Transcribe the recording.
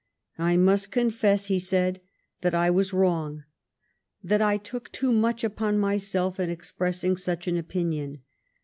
" I must confess," he said, " that I was wrong ; that I took too much upon myself in expressing such an opinion.